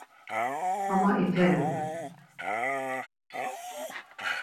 Ama iperu.